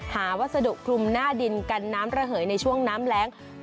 วัสดุคลุมหน้าดินกันน้ำระเหยในช่วงน้ำแรง